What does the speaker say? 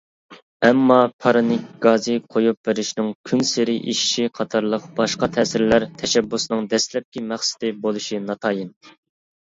ئەمما پارنىك گازى قويۇپ بېرىشنىڭ كۈنسېرى ئېشىشى قاتارلىق باشقا تەسىرلەر تەشەببۇسنىڭ دەسلەپكى مەقسىتى بولۇشى ناتايىن.